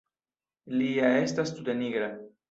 Li ja estas tute nigra!